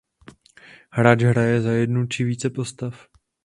Hráč hraje za jednu či více postav.